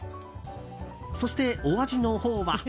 そして、お味のほうは。